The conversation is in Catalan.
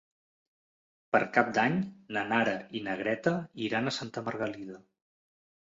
Per Cap d'Any na Nara i na Greta iran a Santa Margalida.